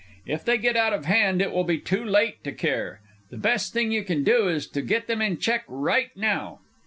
"If they get out of hand, it will be too late to care. The best thing you can do is to get them in check right now."